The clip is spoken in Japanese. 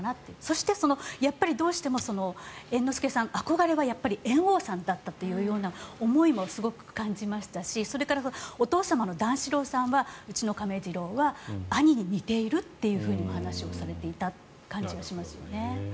そして、やっぱりどうしても猿之助さん、憧れは猿翁さんだったという思いもすごく感じましたしそれからお父様の段四郎さんはうちの亀治郎は兄に似ているというふうにも話をされていた感じがしますよね。